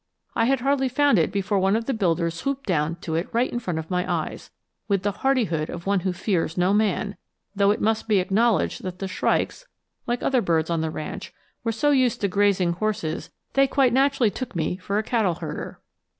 I had hardly found it before one of the builders swooped down to it right before my eyes, with the hardihood of one who fears no man; though it must be acknowledged that the shrikes, like other birds on the ranch, were so used to grazing horses they quite naturally took me for a cattle herder.